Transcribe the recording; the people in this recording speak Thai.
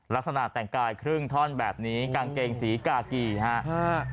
ลักษณะแต่งกายครึ่งท่อนแบบนี้กางเกงสีกากีฮะ